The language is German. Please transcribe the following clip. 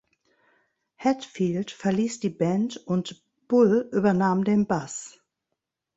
Hatfield verließ die Band, und Bull übernahm den Bass.